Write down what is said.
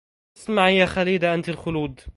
اسمعي يا خليد أنت الخلود